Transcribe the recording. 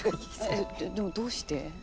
えでもどうして？